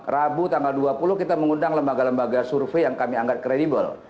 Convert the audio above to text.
rabu tanggal dua puluh kita mengundang lembaga lembaga survei yang kami anggap kredibel